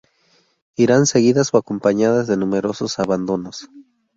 Irán seguidas o acompañadas de numerosos abandonos.